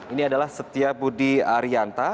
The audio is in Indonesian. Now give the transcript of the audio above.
ini adalah setia budi arianta